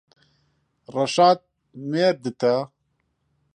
ڕەشاد مێردتە؟